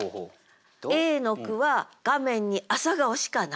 Ａの句は画面に「朝顔」しかない。